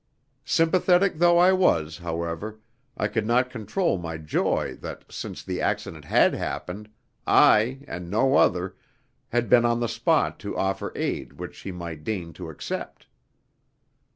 Sympathetic though I was, however, I could not control my joy that, since the accident had happened, I and no other had been on the spot to offer aid which she might deign to accept.